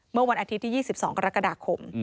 เมื่อวันอาทิตย์ที่๒๒กรกฎาคม